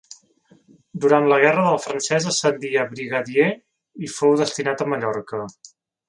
Durant la guerra del francès ascendí a brigadier i fou destinat a Mallorca.